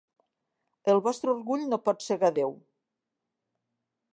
El vostre orgull no pot cegar a Déu!